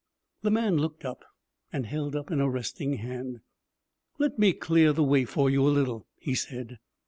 The man looked up and held up an arresting hand. 'Let me clear the way for you a little,' he said.